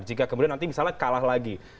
jika kemudian nanti misalnya kalah lagi